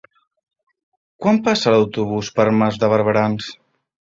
Quan passa l'autobús per Mas de Barberans?